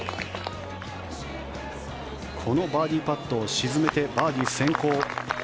このバーディーパットを沈めてバーディー先行。